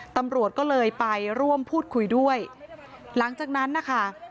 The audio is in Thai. ตำรวจก็เลยไปร่วมพูดคุยด้วยหลังจากนั้นนะคะ